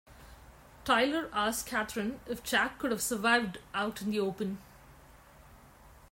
Tyler asks Katheryn if Jack could have survived out in the open.